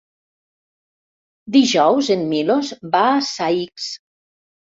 Dijous en Milos va a Saix.